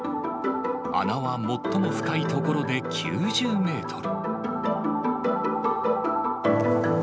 穴は最も深い所で９０メートル。